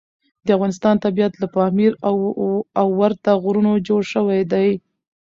د افغانستان طبیعت له پامیر او ورته غرونو جوړ شوی دی.